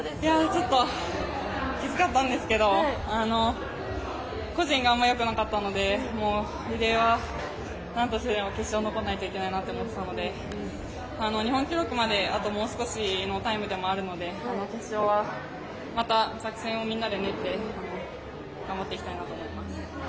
ちょっときつかったんですけど個人があんまり良くなかったのでリレーは何としても決勝に残らないといけないなと思っていたので日本記録まで、あともう少しのタイムでもあるので決勝はまた作戦をみんなで練って頑張っていきたいなと思います。